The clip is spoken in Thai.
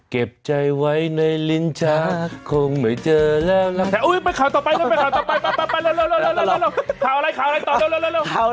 เก็บใจไว้ในลิ้นชากคงไม่เจอแล้ว